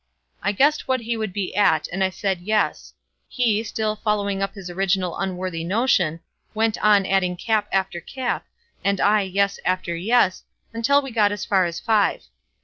I guessed what he would be at, and I said 'yes.' He, still following up his original unworthy notion, went on adding cap after cap, and I 'yes' after 'yes,' until we got as far as five.